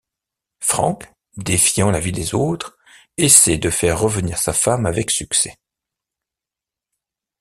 Franck, défiant l'avis des autres, essaye de faire revenir sa femme avec succès.